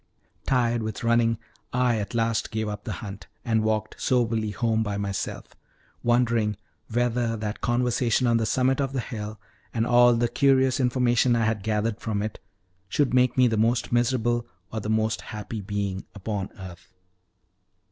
Tired with running, I at last gave up the hunt, and walked soberly home by myself, wondering whether that conversation on the summit of the hill, and all the curious information I had gathered from it, should make me the most miserable or the most happy being upon earth.